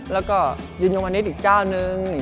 แล้วก็ยืนยงวันนี้อีกเจ้านึง